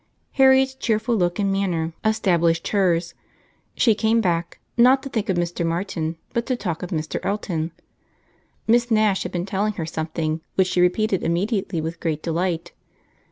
Harriet's cheerful look and manner established hers: she came back, not to think of Mr. Martin, but to talk of Mr. Elton. Miss Nash had been telling her something, which she repeated immediately with great delight.